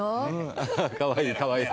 アハかわいいかわいい。